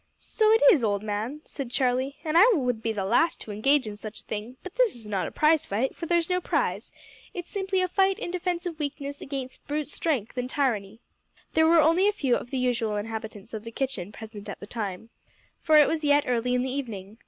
"So it is, old man," said Charlie, "and I would be the last to engage in such a thing, but this is not a prize fight, for there's no prize. It's simply a fight in defence of weakness against brute strength and tyranny." There were only a few of the usual inhabitants of the kitchen present at the time, for it was yet early in the evening.